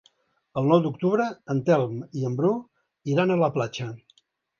El nou d'octubre en Telm i en Bru iran a la platja.